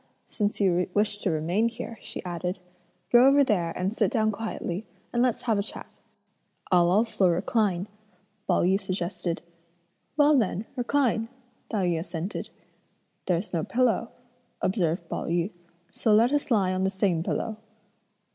since you wish to remain here," she added, "go over there and sit down quietly, and let's have a chat." "I'll also recline," Pao yü suggested. "Well, then, recline!" Tai yü assented. "There's no pillow," observed Pao yü, "so let us lie on the same pillow."